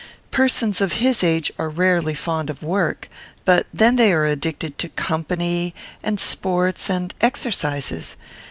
Persons of his age are rarely fond of work, but then they are addicted to company, and sports, and exercises.